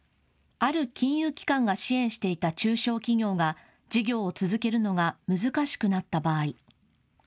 ある金融機関が支援していた中小企業が事業を続けるのが難しくなった場合。